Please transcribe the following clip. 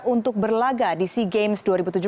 untuk berlaga di sea games dua ribu tujuh belas